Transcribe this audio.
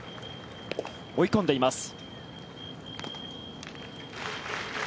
追い込んでいます。